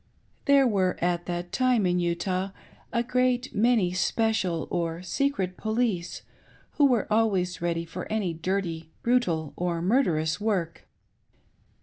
There were, at that time, in Uta:h, a great many special or secret police who were always ready for any dirty, brutal, ot murderous work.